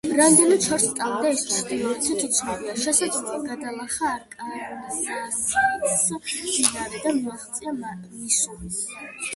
რამდენად შორს წავიდა ის ჩრდილოეთით, უცნობია: შესაძლოა, გადალახა არკანზასის მდინარე და მიაღწია მისურის.